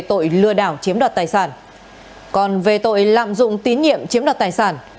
phạm tội lạm dụng tín nhiệm chiếm đoạt tài sản